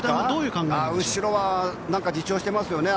後ろは自重してますよね。